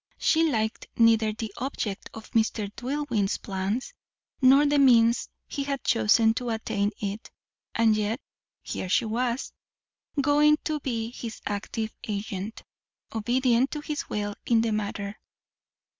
She liked neither the object of Mr. Dillwyn's plan, nor the means he had chosen to attain it; and yet, here she was, going to be his active agent, obedient to his will in the matter.